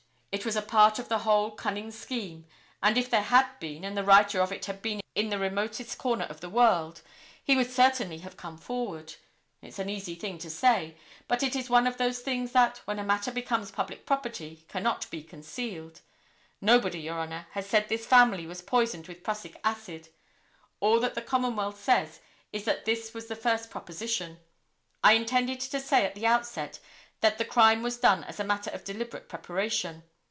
It was a part of the whole cunning scheme, and if there had been, and the writer of it had been in the remotest corner of the world, he would certainly have come forward. It's an easy thing to say, but it is one of those things that, when a matter becomes public property, cannot be concealed. Nobody, Your Honor, has said this family was poisoned with prussic acid. All that the Commonwealth says is that this was the first proposition. I intended to say at the outset that the crime was done as a matter of deliberate preparation.